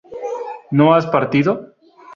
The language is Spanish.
¿no has partido?